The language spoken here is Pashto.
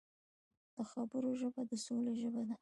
د خبرو ژبه د سولې ژبه ده